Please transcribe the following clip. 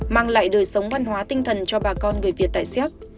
mang lại đời sống văn hóa tinh thần cho bà con người việt tại xéc